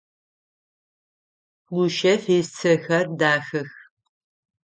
Гущэф ыцэхэр дахэх.